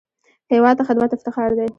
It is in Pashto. هېواد ته خدمت افتخار دی